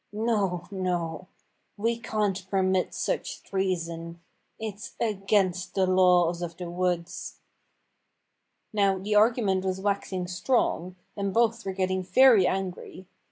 No, no, we can't permit such treason. It's against the laws of the woods." Now the argument was waxing strong, and both were getting very angry.